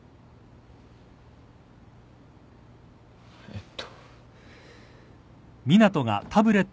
えっと。